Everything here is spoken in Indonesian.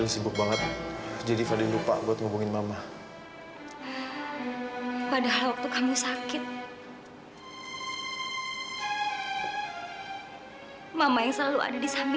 saya harap ibu mengerti